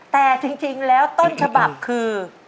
แต่จริงแล้วต้นฉบับคือ